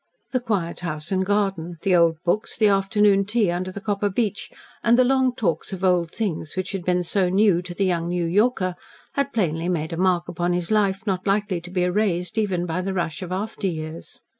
The quiet house and garden, the old books, the afternoon tea under the copper beech, and the long talks of old things, which had been so new to the young New Yorker, had plainly made a mark upon his life, not likely to be erased even by the rush of after years.